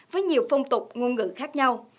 với nhiều phong tục ngôn ngữ khác nhau